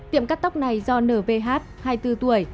tiệm cắt tóc này do nvh hai mươi bốn tuổi